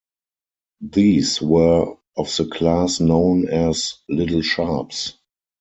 These were of the class known as "Little Sharpes".